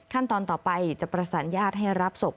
ขั้นตอนต่อไปจะประสานญาติให้รับศพ